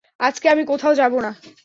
আজকে আমি কোথাও যাবো না।